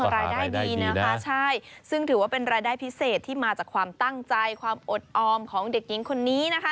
รายได้ดีนะคะใช่ซึ่งถือว่าเป็นรายได้พิเศษที่มาจากความตั้งใจความอดออมของเด็กหญิงคนนี้นะคะ